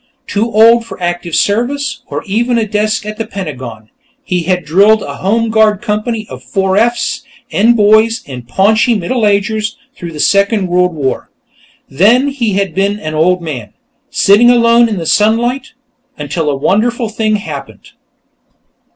Too old for active service, or even a desk at the Pentagon, he had drilled a Home Guard company of 4 Fs and boys and paunchy middle agers through the Second World War. Then he had been an old man, sitting alone in the sunlight ... until a wonderful thing had happened.